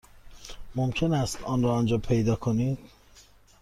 ممکن است آن را آنجا پیدا کنید.